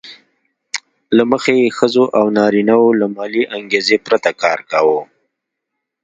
له مخې یې ښځو او نارینه وو له مالي انګېزې پرته کار کاوه